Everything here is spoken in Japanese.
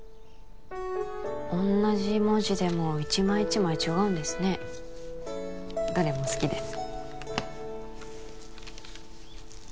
同じ文字でも１枚１枚違うんですねどれも好きです